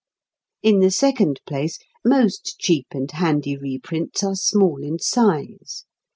In the second place, most cheap and handy reprints are small in size.